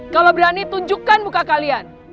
kalau berani tunjukkan muka kalian